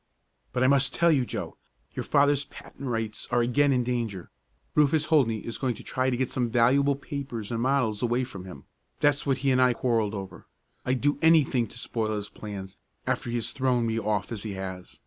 "But I must tell you, Joe. Your father's patent rights are again in danger. Rufus Holdney is going to try to get some valuable papers and models away from him. That's what he and I quarreled over. I'd do anything to spoil his plans, after he has thrown me off as he has.